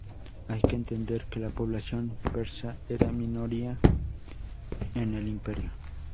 Hay que entender que la población persa era minoría en el imperio.